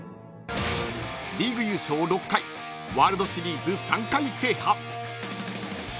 リーグ優勝６回ワールドシリーズ３回制覇。